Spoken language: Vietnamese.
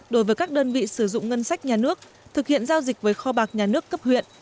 đối với các đơn vị sử dụng ngân sách nhà nước thực hiện giao dịch với kho bạc nhà nước cấp huyện